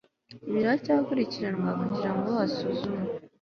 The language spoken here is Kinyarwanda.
biracyakurikiranwa kugira ngo hasuzumwe